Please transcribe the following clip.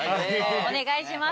お願いします。